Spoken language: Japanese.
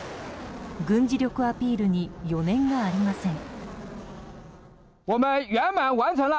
軍事力アピールに余念がありません。